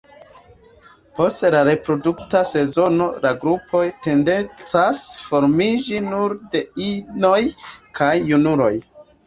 Post la reprodukta sezono la grupoj tendencas formiĝi nur de inoj kaj junuloj.